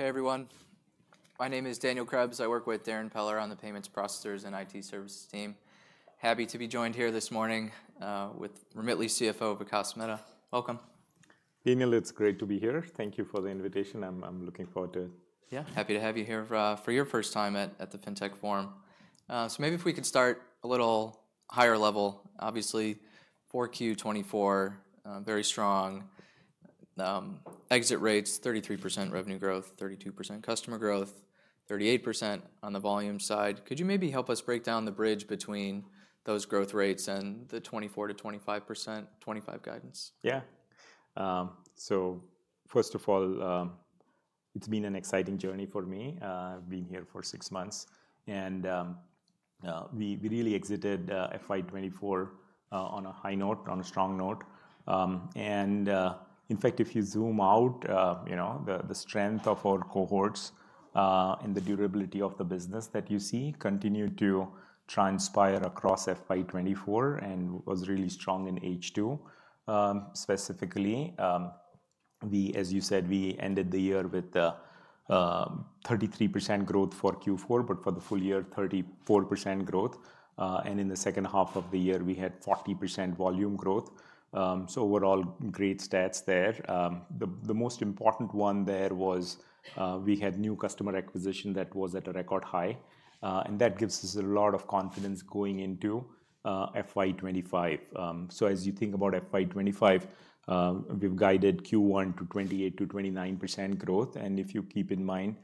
Hey, everyone. My name is Daniel Krebs. I work with Darrin Peller on the Payments Processors and IT Services team. Happy to be joined here this morning with Remitly CFO, Vikas Mehta. Welcome. Daniel, it's great to be here. Thank you for the invitation. I'm looking forward to. Yeah, happy to have you here for your first time at the FinTech Forum. Maybe if we could start a little higher level. Obviously, Q4 2024, very strong exit rates, 33% revenue growth, 32% customer growth, 38% on the volume side. Could you maybe help us break down the bridge between those growth rates and the 24%-25%, 2025 guidance? Yeah. First of all, it's been an exciting journey for me. I've been here for six months. We really exited FY 2024 on a high note, on a strong note. In fact, if you zoom out, the strength of our cohorts and the durability of the business that you see continue to transpire across FY 2024 was really strong in H2 specifically. As you said, we ended the year with 33% growth for Q4, but for the full year, 34% growth. In the second half of the year, we had 40% volume growth. Overall, great stats there. The most important one there was we had new customer acquisition that was at a record high. That gives us a lot of confidence going into FY 2025. As you think about FY 2025, we've guided Q1 to 28%-29% growth. If you keep in mind,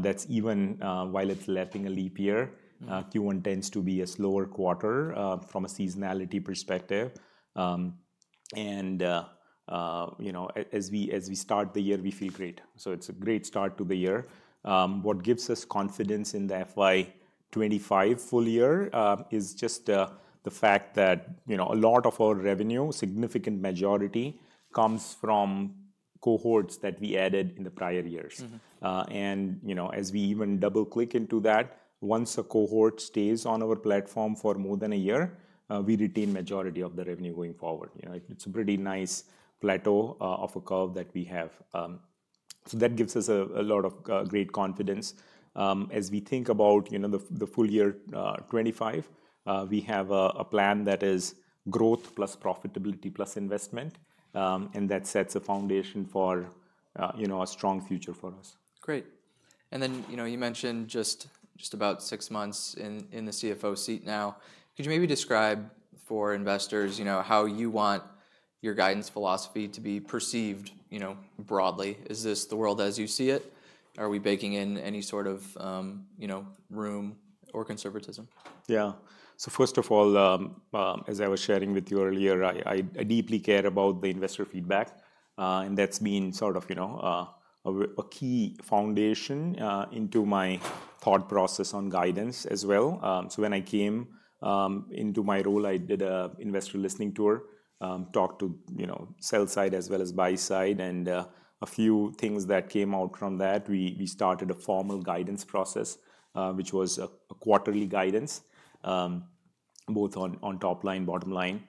that's even while it's lapping a leap year, Q1 tends to be a slower quarter from a seasonality perspective. As we start the year, we feel great. It's a great start to the year. What gives us confidence in the FY 2025 full year is just the fact that a lot of our revenue, significant majority, comes from cohorts that we added in the prior years. As we even double-click into that, once a cohort stays on our platform for more than a year, we retain majority of the revenue going forward. It's a pretty nice plateau of a curve that we have. That gives us a lot of great confidence. As we think about the full year 2025, we have a plan that is growth plus profitability plus investment. That sets a foundation for a strong future for us. Great. You mentioned just about six months in the CFO seat now. Could you maybe describe for investors how you want your guidance philosophy to be perceived broadly? Is this the world as you see it? Are we baking in any sort of room or conservatism? Yeah. First of all, as I was sharing with you earlier, I deeply care about the investor feedback. That's been sort of a key foundation into my thought process on guidance as well. When I came into my role, I did an investor listening tour, talked to sell side as well as buy side. A few things that came out from that, we started a formal guidance process, which was a quarterly guidance, both on top line, bottom line.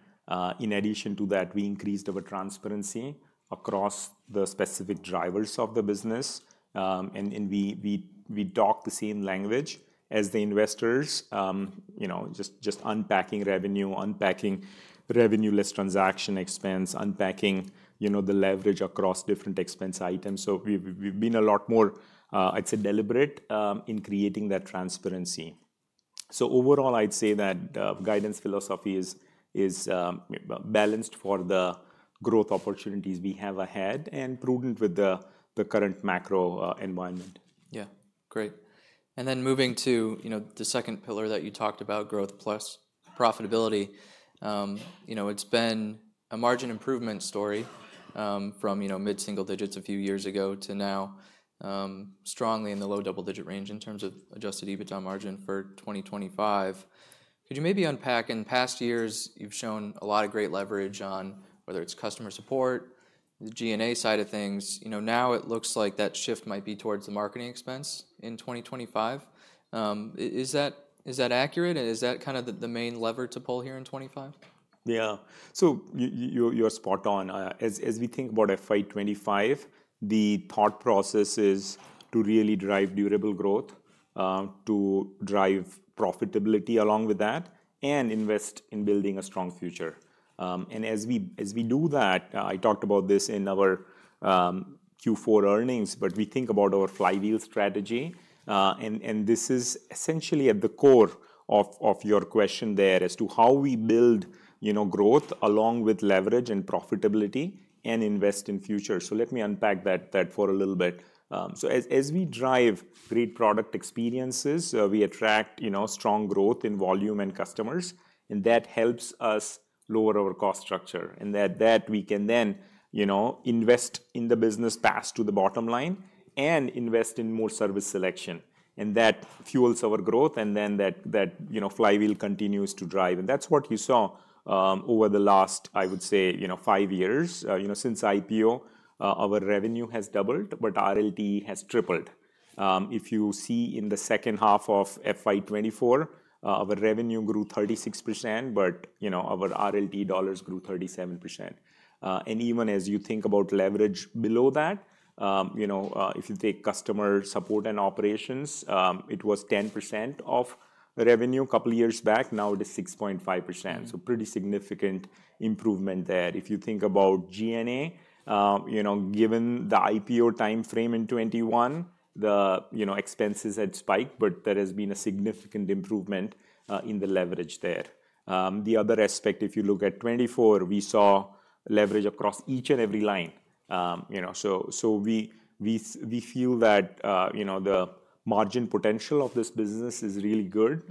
In addition to that, we increased our transparency across the specific drivers of the business. We talked the same language as the investors, just unpacking revenue, unpacking revenue less transaction expense, unpacking the leverage across different expense items. We've been a lot more, I'd say, deliberate in creating that transparency. Overall, I'd say that guidance philosophy is balanced for the growth opportunities we have ahead and prudent with the current macro environment. Yeah. Great. Moving to the second pillar that you talked about, growth plus profitability, it's been a margin improvement story from mid-single digits a few years ago to now, strongly in the low double-digit range in terms of adjusted EBITDA margin for 2025. Could you maybe unpack in past years, you've shown a lot of great leverage on whether it's customer support, the G&A side of things. Now it looks like that shift might be towards the marketing expense in 2025. Is that accurate? Is that kind of the main lever to pull here in 2025? Yeah. You're spot on. As we think about FY 2025, the thought process is to really drive durable growth, to drive profitability along with that, and invest in building a strong future. As we do that, I talked about this in our Q4 earnings, but we think about our flywheel strategy. This is essentially at the core of your question there as to how we build growth along with leverage and profitability and invest in future. Let me unpack that for a little bit. As we drive great product experiences, we attract strong growth in volume and customers. That helps us lower our cost structure. That we can then invest in the business, pass to the bottom line, and invest in more service selection. That fuels our growth. That flywheel continues to drive. That's what you saw over the last, I would say, five years. Since IPO, our revenue has doubled, but RLT has tripled. If you see in the second half of fiscal year 2024, our revenue grew 36%, but our RLT dollars grew 37%. Even as you think about leverage below that, if you take customer support and operations, it was 10% of revenue a couple of years back. Now it is 6.5%. Pretty significant improvement there. If you think about G&A, given the IPO time frame in 2021, the expenses had spiked, but there has been a significant improvement in the leverage there. The other aspect, if you look at 2024, we saw leverage across each and every line. We feel that the margin potential of this business is really good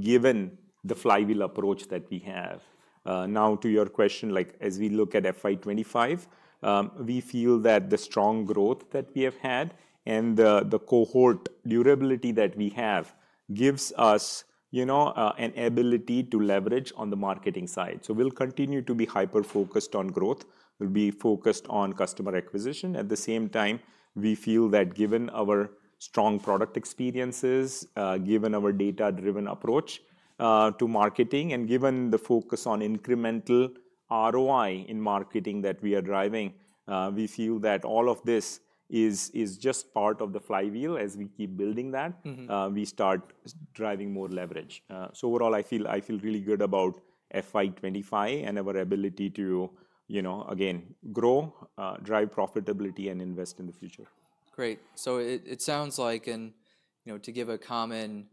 given the flywheel approach that we have. Now, to your question, as we look at FY 2025, we feel that the strong growth that we have had and the cohort durability that we have gives us an ability to leverage on the marketing side. We will continue to be hyper-focused on growth. We will be focused on customer acquisition. At the same time, we feel that given our strong product experiences, given our data-driven approach to marketing, and given the focus on incremental ROI in marketing that we are driving, we feel that all of this is just part of the flywheel. As we keep building that, we start driving more leverage. Overall, I feel really good about FY 2025 and our ability to, again, grow, drive profitability, and invest in the future. Great. It sounds like, and to give a common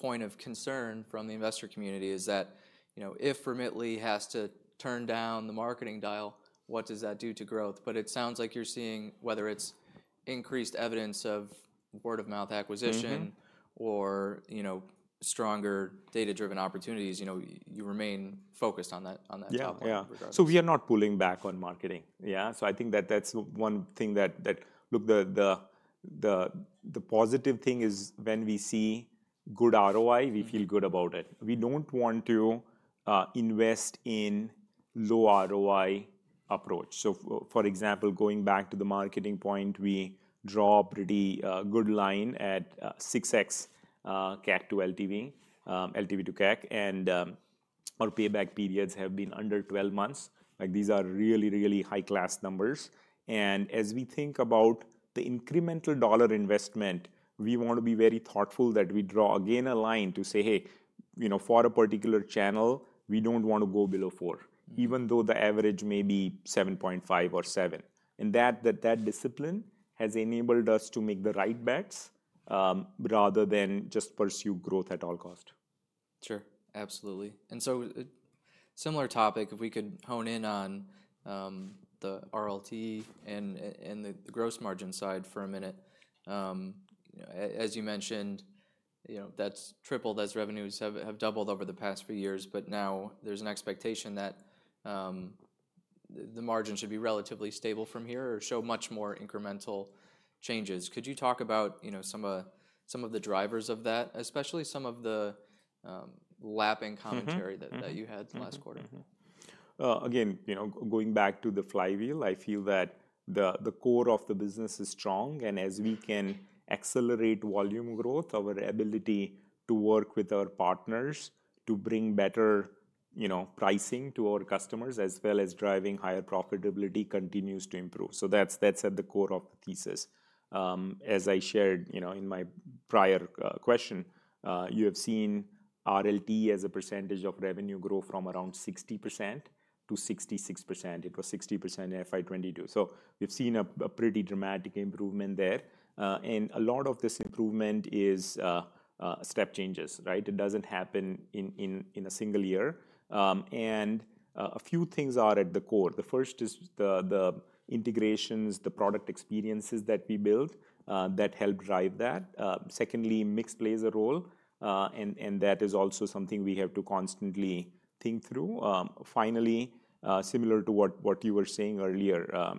point of concern from the investor community, is that if Remitly has to turn down the marketing dial, what does that do to growth? It sounds like you're seeing whether it's increased evidence of word-of-mouth acquisition or stronger data-driven opportunities, you remain focused on that topic regardless. Yeah. We are not pulling back on marketing. I think that that's one thing that, look, the positive thing is when we see good ROI, we feel good about it. We don't want to invest in low ROI approach. For example, going back to the marketing point, we draw a pretty good line at 6X CAC to LTV, LTV to CAC. Our payback periods have been under 12 months. These are really, really high-class numbers. As we think about the incremental dollar investment, we want to be very thoughtful that we draw, again, a line to say, hey, for a particular channel, we don't want to go below 4, even though the average may be 7.5 or 7. That discipline has enabled us to make the right bets rather than just pursue growth at all cost. Sure. Absolutely. Similar topic, if we could hone in on the RLT and the gross margin side for a minute. As you mentioned, that's tripled. Those revenues have doubled over the past few years. Now there's an expectation that the margin should be relatively stable from here or show much more incremental changes. Could you talk about some of the drivers of that, especially some of the lapping commentary that you had last quarter? Again, going back to the flywheel, I feel that the core of the business is strong. As we can accelerate volume growth, our ability to work with our partners to bring better pricing to our customers as well as driving higher profitability continues to improve. That is at the core of the thesis. As I shared in my prior question, you have seen RLT as a percentage of revenue grow from around 60% to 66%. It was 60% in 2022. We have seen a pretty dramatic improvement there. A lot of this improvement is step changes. It does not happen in a single year. A few things are at the core. The first is the integrations, the product experiences that we build that help drive that. Secondly, mix plays a role. That is also something we have to constantly think through. Finally, similar to what you were saying earlier,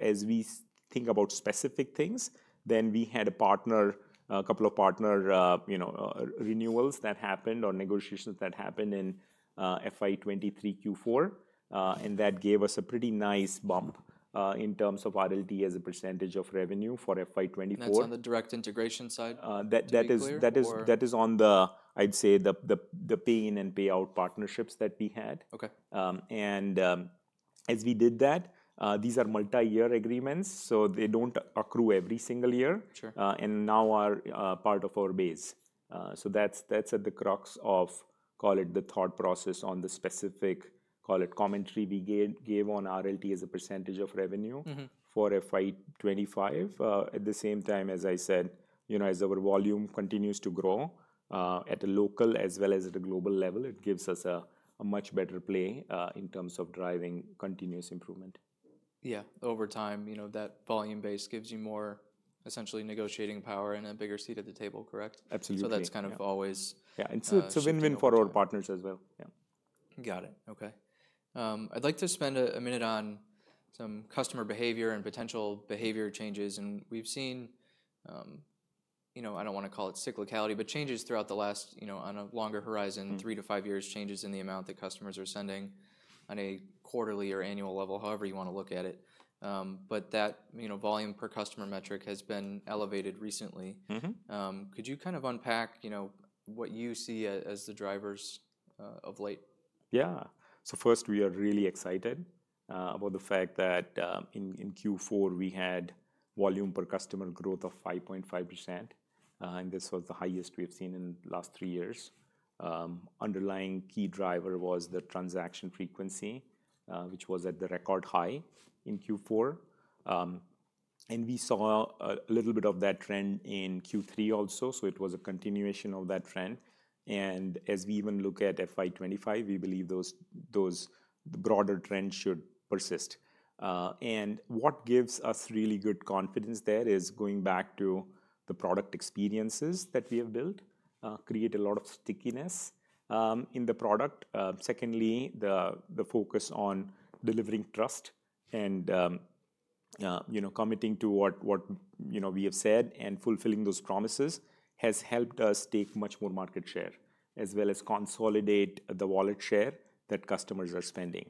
as we think about specific things, we had a couple of partner renewals that happened or negotiations that happened in FY 2023 Q4. That gave us a pretty nice bump in terms of RLT as a percentage of revenue for FY 2024. That's on the direct integration side? That is on the, I'd say, the pay-in and pay-out partnerships that we had. As we did that, these are multi-year agreements. They do not accrue every single year and now are part of our base. That is at the crux of, call it, the thought process on the specific, call it, commentary we gave on RLT as a percentage of revenue for FY 2025. At the same time, as I said, as our volume continues to grow at a local as well as at a global level, it gives us a much better play in terms of driving continuous improvement. Yeah. Over time, that volume base gives you more essentially negotiating power and a bigger seat at the table, correct? Absolutely. That's kind of always. Yeah. It's a win-win for our partners as well. Yeah. Got it. Okay. I'd like to spend a minute on some customer behavior and potential behavior changes. We've seen, I don't want to call it cyclicality, but changes throughout the last, on a longer horizon, three to five years, changes in the amount that customers are sending on a quarterly or annual level, however you want to look at it. That volume per customer metric has been elevated recently. Could you kind of unpack what you see as the drivers of late? Yeah. First, we are really excited about the fact that in Q4, we had volume per customer growth of 5.5%. This was the highest we've seen in the last three years. The underlying key driver was the transaction frequency, which was at a record high in Q4. We saw a little bit of that trend in Q3 also. It was a continuation of that trend. As we even look at FY 2025, we believe the broader trend should persist. What gives us really good confidence there is going back to the product experiences that we have built, which create a lot of stickiness in the product. Secondly, the focus on delivering trust and committing to what we have said and fulfilling those promises has helped us take much more market share as well as consolidate the wallet share that customers are spending.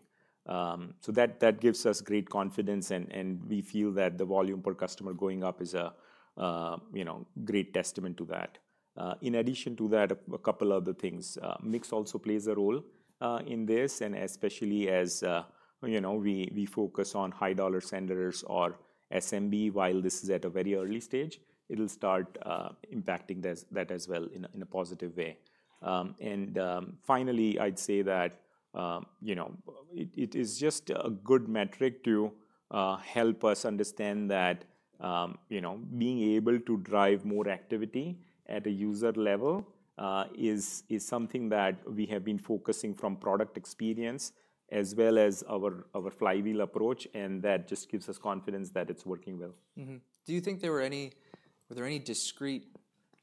That gives us great confidence. We feel that the volume per customer going up is a great testament to that. In addition to that, a couple of other things. Mix also plays a role in this. Especially as we focus on high-dollar senders or SMB, while this is at a very early stage, it will start impacting that as well in a positive way. Finally, I would say that it is just a good metric to help us understand that being able to drive more activity at a user level is something that we have been focusing on from product experience as well as our flywheel approach. That just gives us confidence that it is working well. Do you think there were any discrete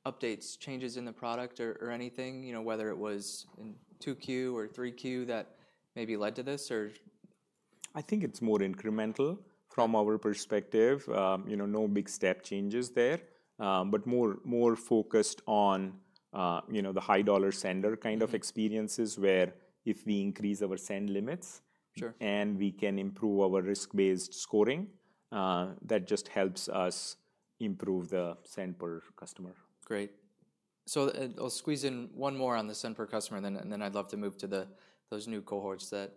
updates, changes in the product or anything, whether it was in 2Q or 3Q that maybe led to this or? I think it's more incremental from our perspective. No big step changes there, but more focused on the high-dollar sender kind of experiences where if we increase our send limits and we can improve our risk-based scoring, that just helps us improve the send-per-customer. Great. I'll squeeze in one more on the send-per-customer. Then I'd love to move to those new cohorts that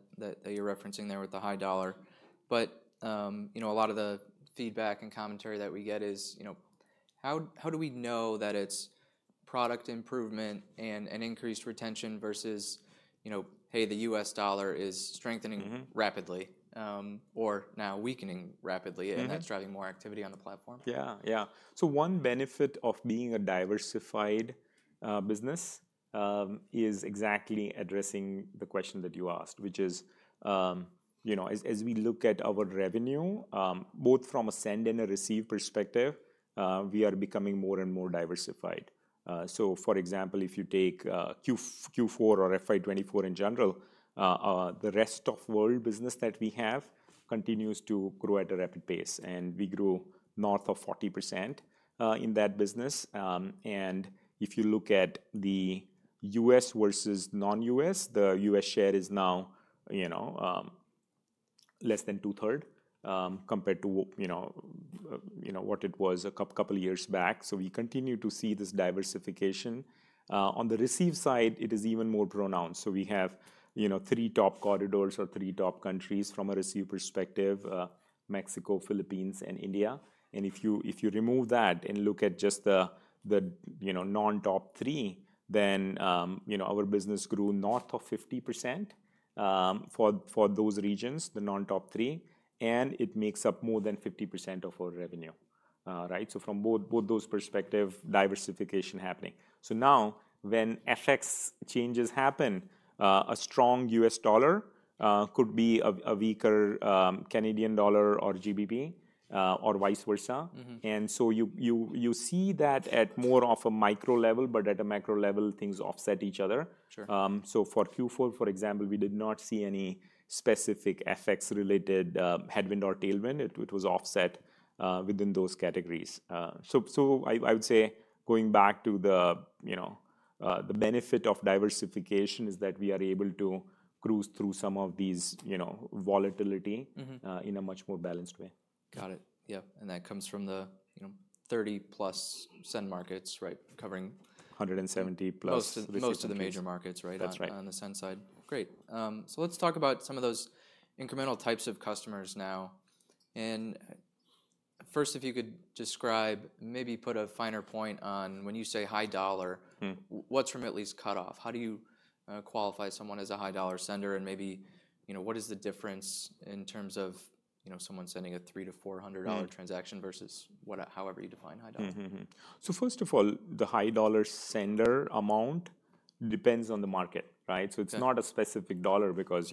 you're referencing there with the high dollar. A lot of the feedback and commentary that we get is, how do we know that it's product improvement and increased retention versus, hey, the U.S. dollar is strengthening rapidly or now weakening rapidly and that's driving more activity on the platform? Yeah. Yeah. One benefit of being a diversified business is exactly addressing the question that you asked, which is as we look at our revenue, both from a send and a receive perspective, we are becoming more and more diversified. For example, if you take Q4 or FY 2024 in general, the rest of world business that we have continues to grow at a rapid pace. We grew north of 40% in that business. If you look at the U.S. versus non-U.S., the U.S. share is now less than two-thirds compared to what it was a couple of years back. We continue to see this diversification. On the receive side, it is even more pronounced. We have three top corridors or three top countries from a receive perspective: Mexico, Philippines, and India. If you remove that and look at just the non-top three, then our business grew north of 50% for those regions, the non-top three. It makes up more than 50% of our revenue. From both those perspectives, diversification happening. Now when FX changes happen, a strong U.S. dollar could be a weaker Canadian dollar or GBP or vice versa. You see that at more of a micro level, but at a macro level, things offset each other. For Q4, for example, we did not see any specific FX-related headwind or tailwind. It was offset within those categories. I would say going back to the benefit of diversification is that we are able to cruise through some of these volatility in a much more balanced way. Got it. Yep. And that comes from the 30+ send markets, right, covering. 170+. Most of the major markets, right, on the send side. Great. Let's talk about some of those incremental types of customers now. First, if you could describe, maybe put a finer point on when you say high dollar, what's Remitly's cutoff? How do you qualify someone as a high-dollar sender? Maybe what is the difference in terms of someone sending a $300-$400 transaction versus however you define high dollar? First of all, the high-dollar sender amount depends on the market. It's not a specific dollar because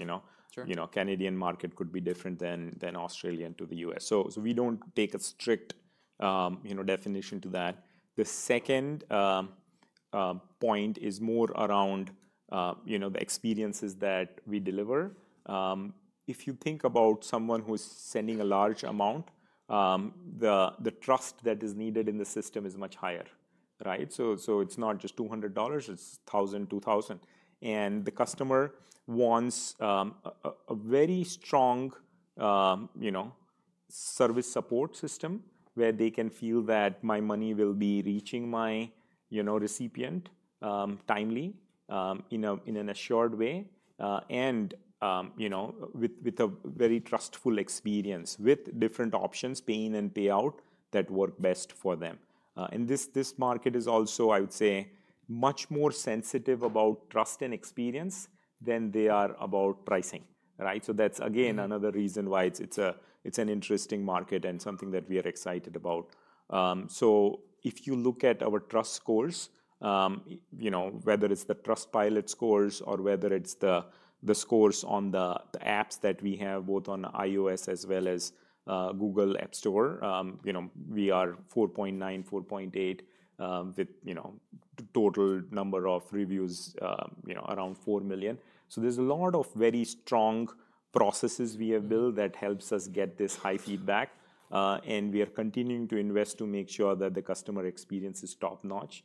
Canadian market could be different than Australian to the U.S. We don't take a strict definition to that. The second point is more around the experiences that we deliver. If you think about someone who is sending a large amount, the trust that is needed in the system is much higher. It's not just $200. It's $1,000, $2,000. The customer wants a very strong service support system where they can feel that my money will be reaching my recipient timely in an assured way and with a very trustful experience with different options, pay-in and pay-out, that work best for them. This market is also, I would say, much more sensitive about trust and experience than they are about pricing. That's, again, another reason why it's an interesting market and something that we are excited about. If you look at our trust scores, whether it's the Trustpilot scores or whether it's the scores on the apps that we have both on iOS as well as Google App Store, we are 4.9, 4.8 with total number of reviews around 4 million. There's a lot of very strong processes we have built that helps us get this high feedback. We are continuing to invest to make sure that the customer experience is top-notch.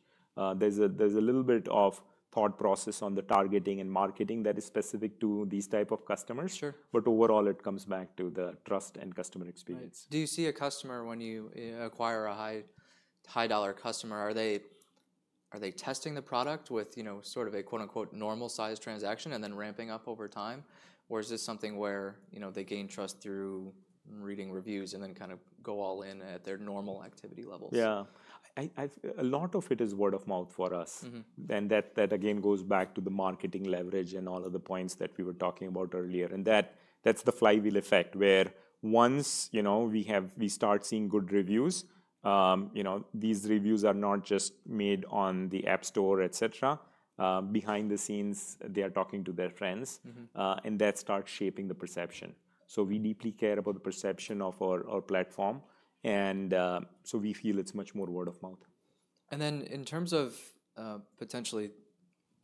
There's a little bit of thought process on the targeting and marketing that is specific to these types of customers. Overall, it comes back to the trust and customer experience. Do you see a customer, when you acquire a high-dollar customer, are they testing the product with sort of a quote-unquote normal-sized transaction and then ramping up over time? Or is this something where they gain trust through reading reviews and then kind of go all in at their normal activity levels? Yeah. A lot of it is word of mouth for us. That, again, goes back to the marketing leverage and all of the points that we were talking about earlier. That is the flywheel effect where once we start seeing good reviews, these reviews are not just made on the App Store, et cetera. Behind the scenes, they are talking to their friends. That starts shaping the perception. We deeply care about the perception of our platform. We feel it is much more word of mouth. In terms of potentially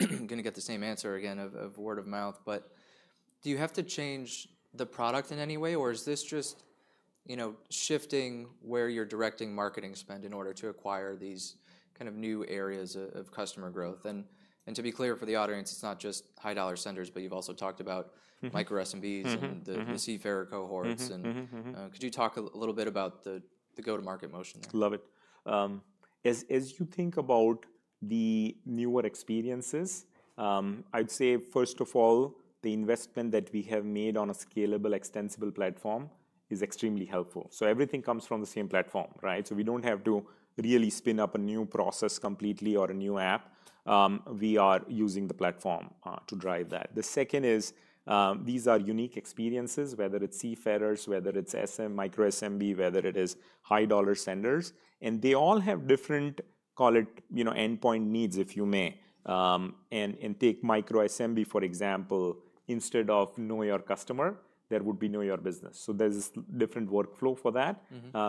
going to get the same answer again of word of mouth, do you have to change the product in any way? Or is this just shifting where you're directing marketing spend in order to acquire these kind of new areas of customer growth? To be clear for the audience, it's not just high-dollar senders, but you've also talked about micro-SMBs and the seafarer cohorts. Could you talk a little bit about the go-to-market motion there? Love it. As you think about the newer experiences, I'd say first of all, the investment that we have made on a scalable, extensible platform is extremely helpful. Everything comes from the same platform. We don't have to really spin up a new process completely or a new app. We are using the platform to drive that. The second is these are unique experiences, whether it's seafarers, whether it's micro-SMB, whether it is high-dollar senders. They all have different, call it endpoint needs, if you may. Take micro-SMB, for example, instead of Know Your Customer, there would be Know Your Business. There's a different workflow for that,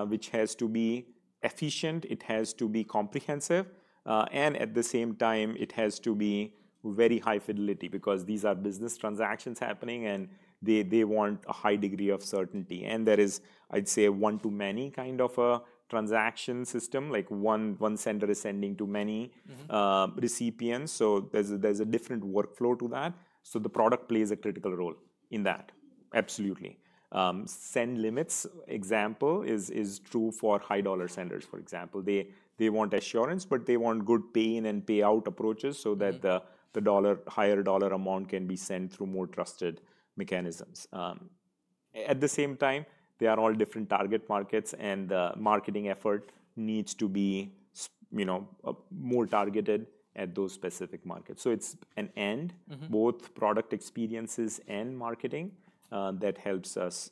which has to be efficient. It has to be comprehensive. At the same time, it has to be very high fidelity because these are business transactions happening and they want a high degree of certainty. There is, I'd say, one-to-many kind of a transaction system, like one sender is sending to many recipients. There is a different workflow to that. The product plays a critical role in that. Absolutely. Send limits, for example, is true for high-dollar senders, for example. They want assurance, but they want good pay-in and pay-out approaches so that the higher dollar amount can be sent through more trusted mechanisms. At the same time, they are all different target markets and the marketing effort needs to be more targeted at those specific markets. It is an end, both product experiences and marketing that helps us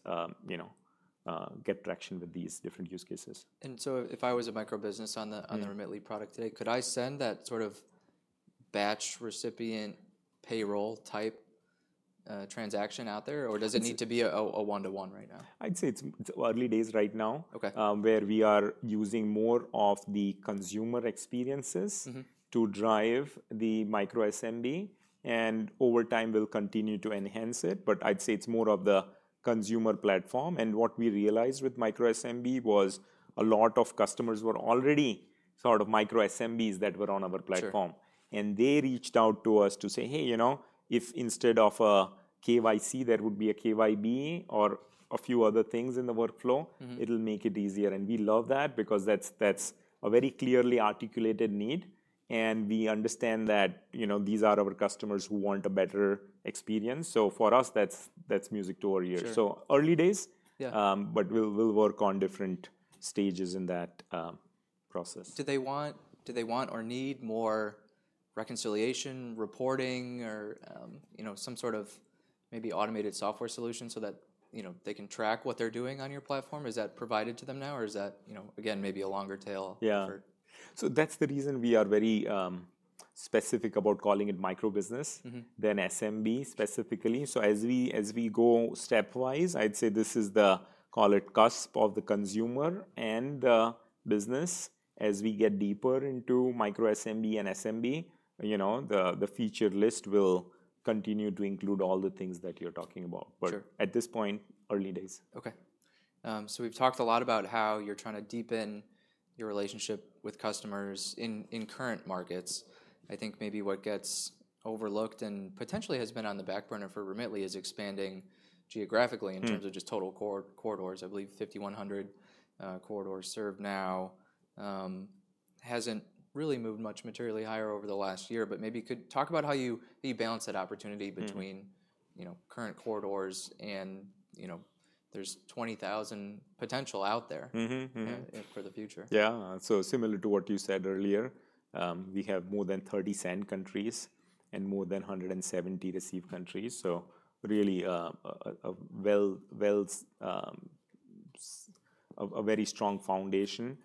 get traction with these different use cases. If I was a micro business on the Remitly product today, could I send that sort of batch recipient payroll type transaction out there? Or does it need to be a one-to-one right now? I'd say it's early days right now where we are using more of the consumer experiences to drive the micro-SMB. Over time, we'll continue to enhance it. I'd say it's more of the consumer platform. What we realized with micro-SMB was a lot of customers were already sort of micro-SMBs that were on our platform. They reached out to us to say, hey, if instead of a KYC, there would be a KYB or a few other things in the workflow, it'll make it easier. We love that because that's a very clearly articulated need. We understand that these are our customers who want a better experience. For us, that's music to our ears. Early days, but we'll work on different stages in that process. Do they want or need more reconciliation reporting or some sort of maybe automated software solution so that they can track what they're doing on your platform? Is that provided to them now? Is that, again, maybe a longer tail? Yeah. That's the reason we are very specific about calling it micro business than SMB specifically. As we go stepwise, I'd say this is the, call it cusp of the consumer and the business. As we get deeper into micro-SMB and SMB, the feature list will continue to include all the things that you're talking about. At this point, early days. Okay. We've talked a lot about how you're trying to deepen your relationship with customers in current markets. I think maybe what gets overlooked and potentially has been on the back burner for Remitly is expanding geographically in terms of just total corridors. I believe 5,100 corridors served now. Hasn't really moved much materially higher over the last year. Maybe could talk about how you balance that opportunity between current corridors and there's 20,000 potential out there for the future. Yeah. Similar to what you said earlier, we have more than 30 send countries and more than 170 receive countries. Really a very strong foundation.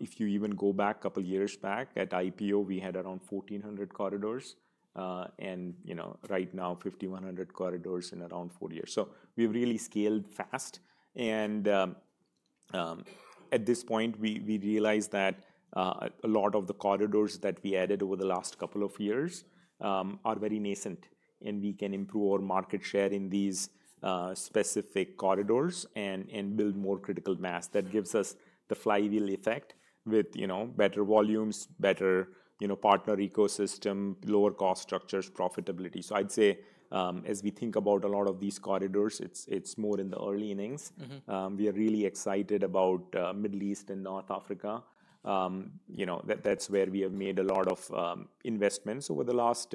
If you even go back a couple of years back at IPO, we had around 1,400 corridors. Right now, 5,100 corridors in around four years. We have really scaled fast. At this point, we realize that a lot of the corridors that we added over the last couple of years are very nascent. We can improve our market share in these specific corridors and build more critical mass. That gives us the flywheel effect with better volumes, better partner ecosystem, lower cost structures, profitability. I'd say as we think about a lot of these corridors, it's more in the early innings. We are really excited about Middle East and North Africa. That's where we have made a lot of investments over the last,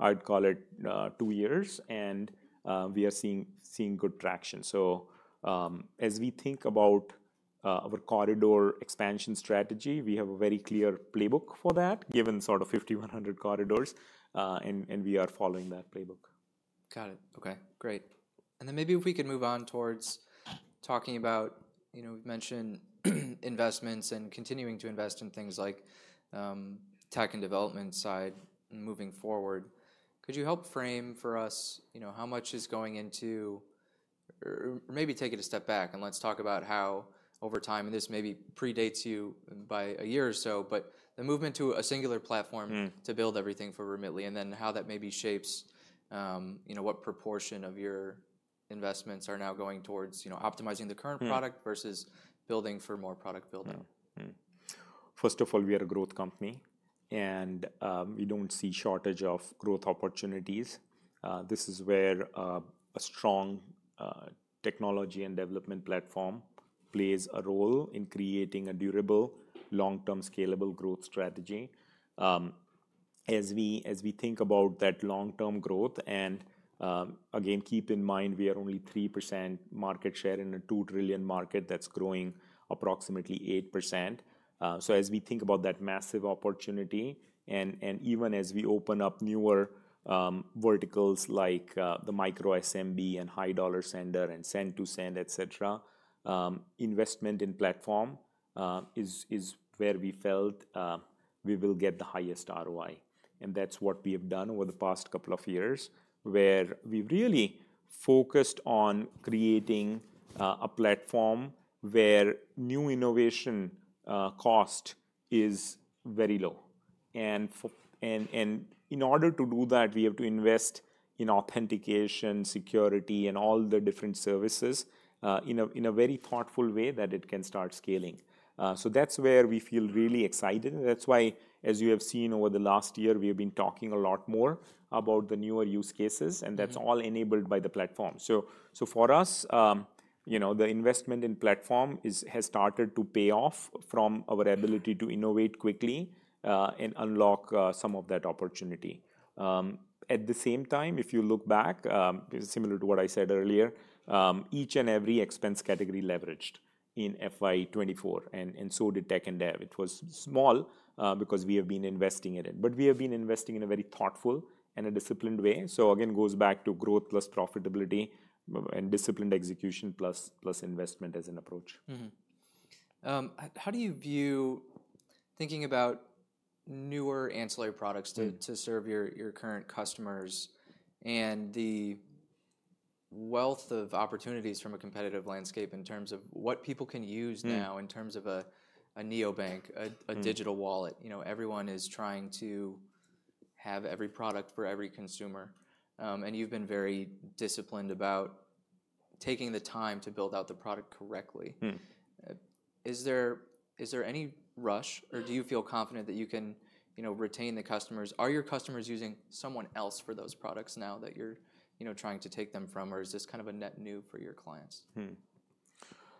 I'd call it, two years. We are seeing good traction. As we think about our corridor expansion strategy, we have a very clear playbook for that given sort of 5,100 corridors. We are following that playbook. Got it. Okay. Great. Maybe if we could move on towards talking about, we've mentioned investments and continuing to invest in things like tech and development side moving forward. Could you help frame for us how much is going into or maybe take it a step back and let's talk about how over time, and this maybe predates you by a year or so, but the movement to a singular platform to build everything for Remitly and then how that maybe shapes what proportion of your investments are now going towards optimizing the current product versus building for more product building. First of all, we are a growth company. We do not see shortage of growth opportunities. This is where a strong technology and development platform plays a role in creating a durable, long-term, scalable growth strategy. As we think about that long-term growth, and again, keep in mind we are only 3% market share in a $2 trillion market that is growing approximately 8%. As we think about that massive opportunity, and even as we open up newer verticals like the micro-SMB and high dollar sender and send to send, et cetera, investment in platform is where we felt we will get the highest ROI. That is what we have done over the past couple of years where we have really focused on creating a platform where new innovation cost is very low. In order to do that, we have to invest in authentication, security, and all the different services in a very thoughtful way that it can start scaling. That is where we feel really excited. That is why, as you have seen over the last year, we have been talking a lot more about the newer use cases. That is all enabled by the platform. For us, the investment in platform has started to pay off from our ability to innovate quickly and unlock some of that opportunity. At the same time, if you look back, similar to what I said earlier, each and every expense category leveraged in FY 2024. So did tech and dev. It was small because we have been investing in it. We have been investing in a very thoughtful and a disciplined way. Again, goes back to growth plus profitability and disciplined execution plus investment as an approach. How do you view thinking about newer ancillary products to serve your current customers and the wealth of opportunities from a competitive landscape in terms of what people can use now in terms of a neobank, a digital wallet? Everyone is trying to have every product for every consumer. You have been very disciplined about taking the time to build out the product correctly. Is there any rush? Do you feel confident that you can retain the customers? Are your customers using someone else for those products now that you are trying to take them from? Is this kind of a net new for your clients?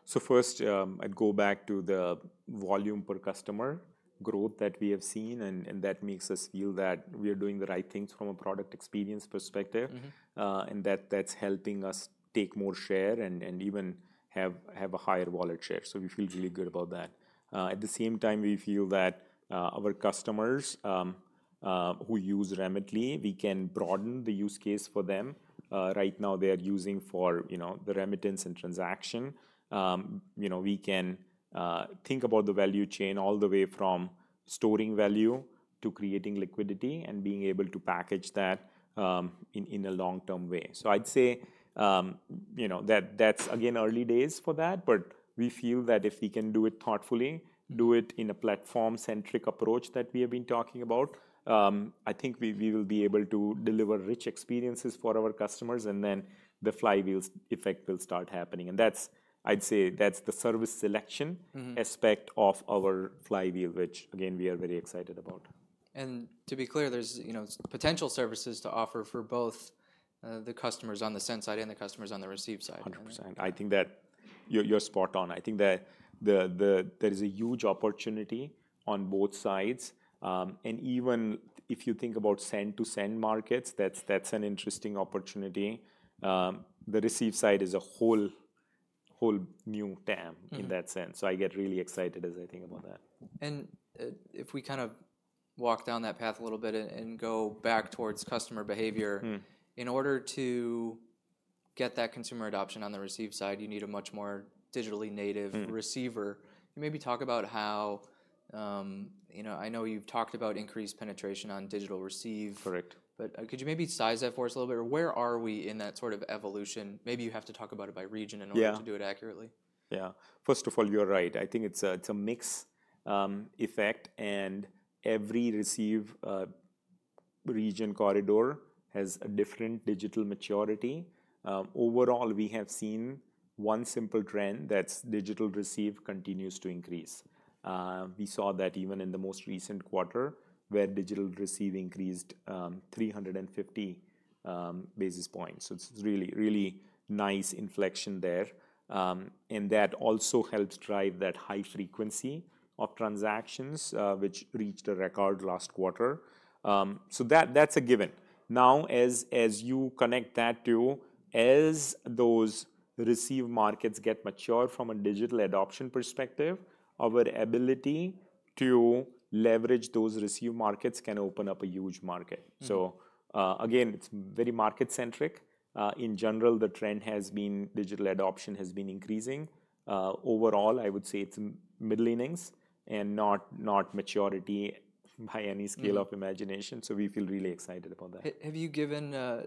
First, I'd go back to the volume per customer growth that we have seen. That makes us feel that we are doing the right things from a product experience perspective. That is helping us take more share and even have a higher wallet share. We feel really good about that. At the same time, we feel that our customers who use Remitly, we can broaden the use case for them. Right now, they are using for the remittance and transaction. We can think about the value chain all the way from storing value to creating liquidity and being able to package that in a long-term way. I'd say that's, again, early days for that. We feel that if we can do it thoughtfully, do it in a platform-centric approach that we have been talking about, I think we will be able to deliver rich experiences for our customers. Then the flywheel effect will start happening. I'd say that's the service selection aspect of our flywheel, which, again, we are very excited about. To be clear, there's potential services to offer for both the customers on the send side and the customers on the receive side. 100%. I think that you're spot on. I think that there is a huge opportunity on both sides. Even if you think about send to send markets, that's an interesting opportunity. The receive side is a whole new TAM in that sense. I get really excited as I think about that. If we kind of walk down that path a little bit and go back towards customer behavior, in order to get that consumer adoption on the receive side, you need a much more digitally native receiver. Can you maybe talk about how I know you've talked about increased penetration on digital receive. Correct. Could you maybe size that for us a little bit? Or where are we in that sort of evolution? Maybe you have to talk about it by region in order to do it accurately. Yeah. First of all, you're right. I think it's a mixed effect. Every receive region corridor has a different digital maturity. Overall, we have seen one simple trend that digital receive continues to increase. We saw that even in the most recent quarter where digital receive increased 350 basis points. It's a really nice inflection there. That also helps drive that high frequency of transactions, which reached a record last quarter. That's a given. Now, as you connect that to, as those receive markets get mature from a digital adoption perspective, our ability to leverage those receive markets can open up a huge market. Again, it's very market-centric. In general, the trend has been digital adoption has been increasing. Overall, I would say it's middle innings and not maturity by any scale of imagination. We feel really excited about that. Have you given a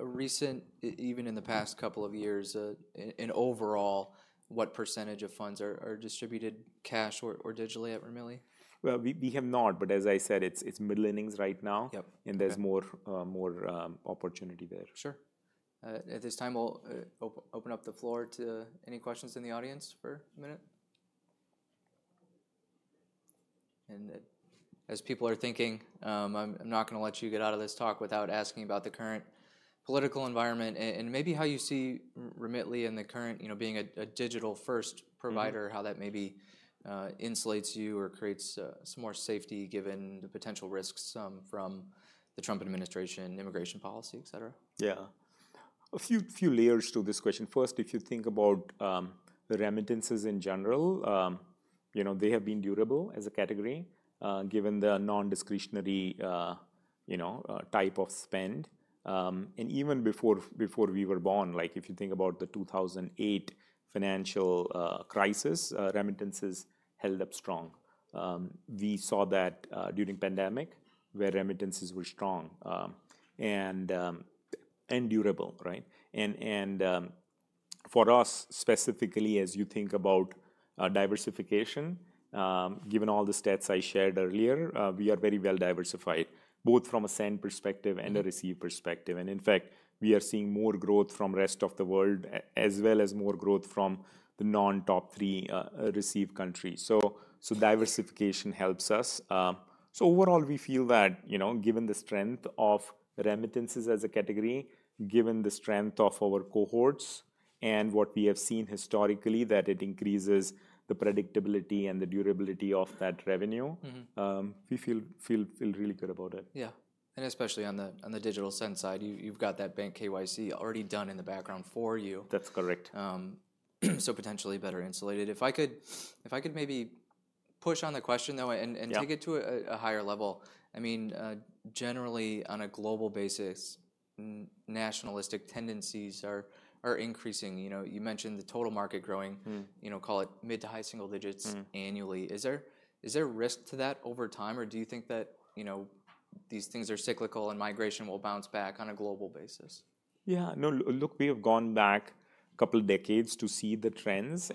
recent, even in the past couple of years, an overall what percentage of funds are distributed cash or digitally at Remitly? We have not. As I said, it's middle innings right now. There is more opportunity there. Sure. At this time, we'll open up the floor to any questions in the audience for a minute. As people are thinking, I'm not going to let you get out of this talk without asking about the current political environment and maybe how you see Remitly in the current being a digital-first provider, how that maybe insulates you or creates some more safety given the potential risks from the Trump administration, immigration policy, et cetera. Yeah. A few layers to this question. First, if you think about remittances in general, they have been durable as a category given the non-discretionary type of spend. Even before we were born, like if you think about the 2008 financial crisis, remittances held up strong. We saw that during the pandemic where remittances were strong and durable, right? For us specifically, as you think about diversification, given all the stats I shared earlier, we are very well diversified both from a send perspective and a receive perspective. In fact, we are seeing more growth from the rest of the world as well as more growth from the non-top three receive countries. Diversification helps us. Overall, we feel that given the strength of remittances as a category, given the strength of our cohorts, and what we have seen historically that it increases the predictability and the durability of that revenue, we feel really good about it. Yeah. Especially on the digital send side, you've got that bank KYC already done in the background for you. That's correct. Potentially better insulated. If I could maybe push on the question though and take it to a higher level, I mean, generally on a global basis, nationalistic tendencies are increasing. You mentioned the total market growing, call it mid to high single digits annually. Is there risk to that over time? Or do you think that these things are cyclical and migration will bounce back on a global basis? Yeah. No, look, we have gone back a couple of decades to see the trends.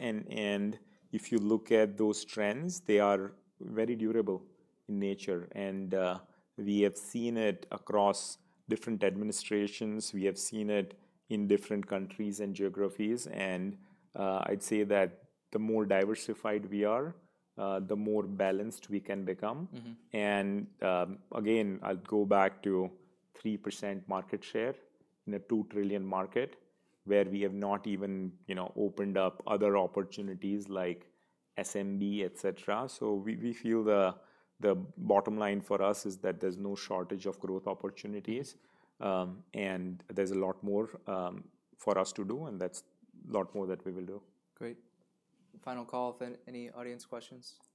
If you look at those trends, they are very durable in nature. We have seen it across different administrations. We have seen it in different countries and geographies. I'd say that the more diversified we are, the more balanced we can become. I'll go back to 3% market share in a $2 trillion market where we have not even opened up other opportunities like SMB, et cetera. We feel the bottom line for us is that there's no shortage of growth opportunities. There's a lot more for us to do. That's a lot more that we will do. Great. Final call, any audience questions?